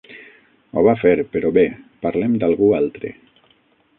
Ho va fer, però, bé, parlem d'algú altre.